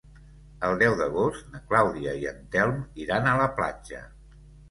El deu d'agost na Clàudia i en Telm iran a la platja.